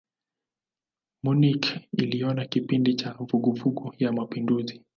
Munich iliona kipindi cha vuguvugu ya mapinduzi.